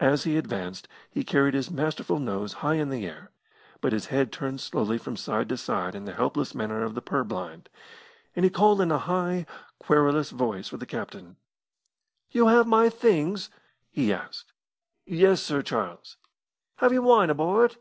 As he advanced he carried his masterful nose high in the air, but his head turned slowly from side to side in the helpless manner of the purblind, and he called in a high, querulous voice for the captain. "You have my things?" he asked. "Yes, Sir Charles." "Have you wine aboard?"